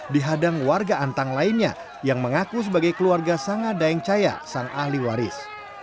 dihadang warga antang lainnya yang mengaku sebagai keluarga sanga daeng caya sang ahli waris